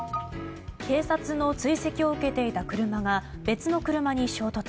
警察の追跡を受けていた車が別の車に衝突。